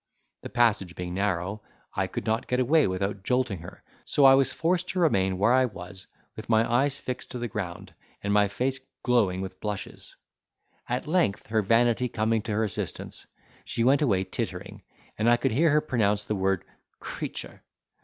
The passage being narrow, I could not get away without jolting her; so I was forced to remain where I was with my eyes fixed to the ground, and my face glowing with blushes. At length, her vanity coming to her assistance, she went away tittering, and I could hear her pronounce the word 'creature!